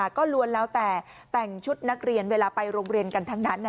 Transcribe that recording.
ก็ล้วนแล้วแต่แต่งชุดนักเรียนเวลาไปโรงเรียนกันทั้งนั้น